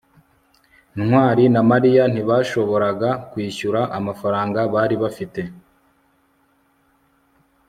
ntwali na mariya ntibashoboraga kwishyura amafaranga bari bafite